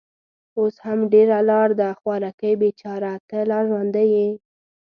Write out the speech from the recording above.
اوس هم ډېره لار ده. خوارکۍ، بېچاره، ته لا ژوندۍ يې؟